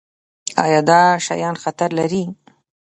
ایا دا شیان خطر لري؟